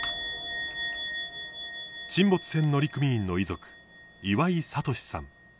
沈没船乗組員の遺族、岩井敏さん。